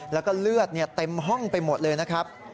แล้วก็เลือดเต็มห้องไปหมดเลยนะครับ